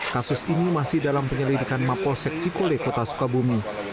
kasus ini masih dalam penyelidikan mapol seksi kole kota sukabumi